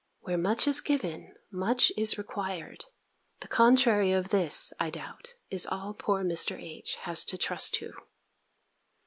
"Where much is given, much is required." The contrary of this, I doubt, is all poor Mr. H. has to trust to.